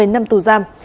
một mươi năm tù giam